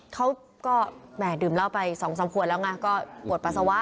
เขาก็แหม่ดื่มเหล้าไป๒๓ขวดแล้วไงก็ปวดปัสสาวะ